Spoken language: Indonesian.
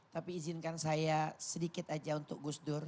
tapi izinkan saya sedikit aja untuk berbicara